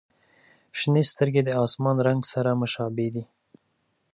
• شنې سترګې د آسمان رنګ سره مشابه دي.